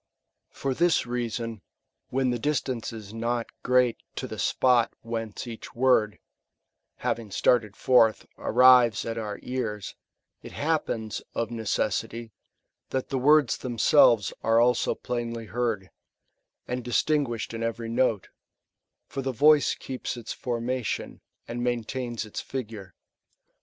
167 For this reason, when the distance is not great to the spot whence each word, having started forth, arrives at our ears, it happens, of necessity, that the words themselves are also plainly heard, and distinguished in every note ; for the voice keeps its formation, and maintains its figure.